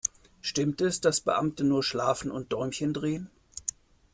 Stimmt es, dass Beamte nur schlafen und Däumchen drehen?